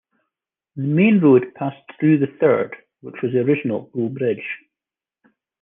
The main road passed through the third which was the original Bull Bridge.